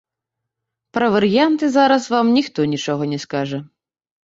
Пра варыянты зараз вам ніхто нічога не скажа.